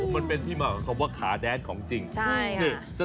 มันเป็นที่มากกว่าขาแดงของจริงใช่ค่ะ